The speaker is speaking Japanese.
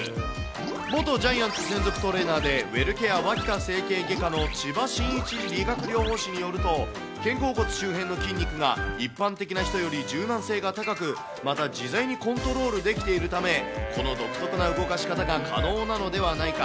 元ジャイアンツ専属トレーナーで、ウェルケアわきた整形外科の千葉慎一理学療法士によると、肩甲骨周辺の筋肉が一般的な人より柔軟性が高く、また自在にコントロールできているため、この独特な動かし方が可能なのではないか。